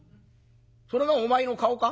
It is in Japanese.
それがお前の顔か？